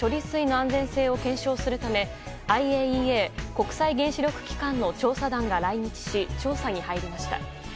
水の安全性を検証するためＩＡＥＡ・国際原子力機関の調査団が来日し調査に入りました。